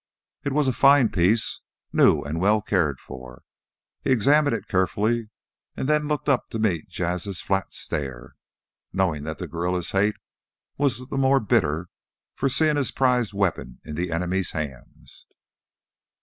It was a fine piece, new and well cared for. He examined it carefully and then looked up to meet Jas's flat stare, knowing that the guerrilla's hate was the more bitter for seeing his prized weapon in the enemy's hands.